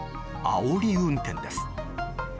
あおり運転です。